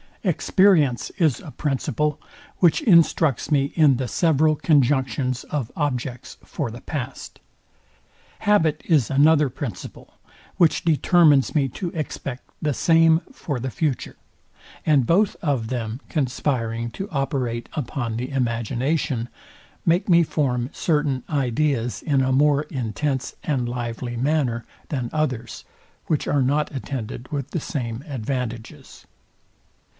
Experience is a principle, which instructs me in the several conjunctions of objects for the past. Habit is another principle, which determines me to expect the same for the future; and both of them conspiring to operate upon the imagination, make me form certain ideas in a more intense and lively manner, than others, which are not attended with the same advantages.